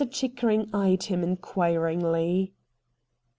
Chickering eyed him inquiringly.